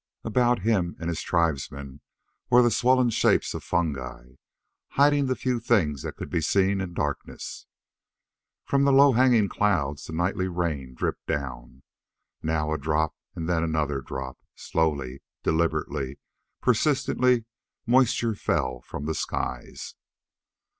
About him and his tribesmen were the swollen shapes of fungi, hiding the few things that could be seen in darkness. From the low hanging clouds the nightly rain dripped down. Now a drop and then another drop; slowly, deliberately, persistently moisture fell from the skies.